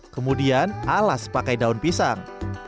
kemudian alas pakai daun pisang